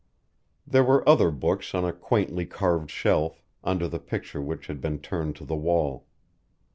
There were other books on a quaintly carved shelf, under the picture which had been turned to the wall.